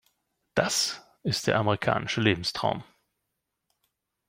Das ist der amerikanische Lebenstraum.